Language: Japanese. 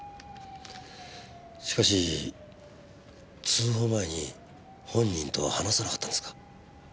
しかし通報前に本人とは話さなかったんですか？